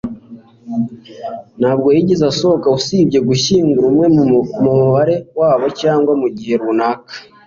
ntabwo yigeze asohoka usibye gushyingura umwe mubare wabo, cyangwa mugihe runaka